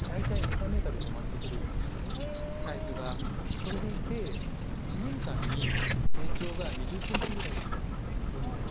それでいて１年間に成長が２０ｃｍぐらいしか伸びないので。